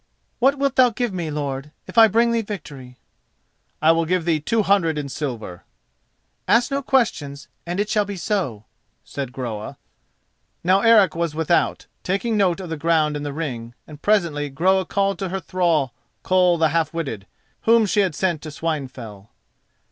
"What wilt thou give me, lord, if I bring thee victory?" "I will give thee two hundred in silver." "Ask no questions and it shall be so," said Groa. Now Eric was without, taking note of the ground in the ring, and presently Groa called to her the thrall Koll the Half witted, whom she had sent to Swinefell.